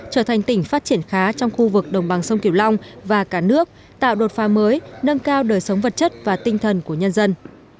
trở thành tỉnh phát triển khá trong khu vực đồng bằng sông kiều long và cả nước tạo đột phá mới nâng cao đời sống vật chất và tinh thần của nhân dân